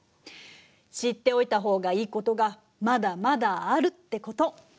知っておいた方がいいことがまだまだあるってこと。